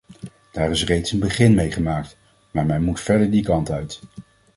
Daar is reeds een begin mee gemaakt, maar men moet verder die kant uit.